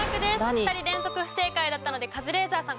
２人連続不正解だったのでカズレーザーさん